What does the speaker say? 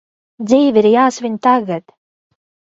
Dzīve ir jāsvin tagad!